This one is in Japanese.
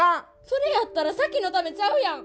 それやったら咲妃のためちゃうやん。